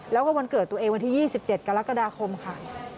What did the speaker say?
แล้วก็วันเกิดตัวเองวันที่๒๗กรกฎาคมค่ะ